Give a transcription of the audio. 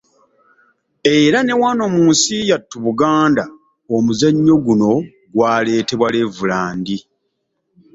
Era ne wano mu nsi yattu Buganda, omuzannyo guno gwaleetebwa Rev.